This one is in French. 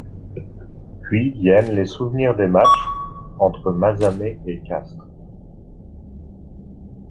Puis viennent les souvenirs des matchs entre Mazamet et Castres.